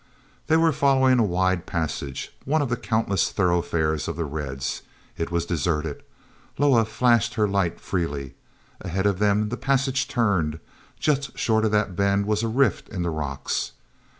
They were following a wide passage, one of the countless thoroughfares of the Reds. It was deserted. Loah flashed her light freely. Ahead of them the passage turned. Just short of that bend was a rift in the rocks.